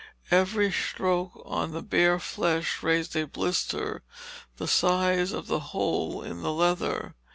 Every stroke on the bare flesh raised a blister the size of the hole in the leather.